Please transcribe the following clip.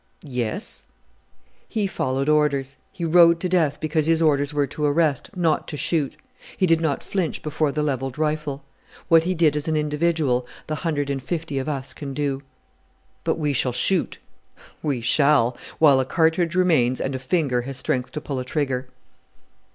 "Yes." "He followed orders. He rode to death, because his orders were to arrest, not to shoot: he did not flinch before the levelled rifle. What he did as an individual the hundred and fifty of us can do." "But we shall shoot!" "We shall! While a cartridge remains and a finger has strength to pull a trigger!"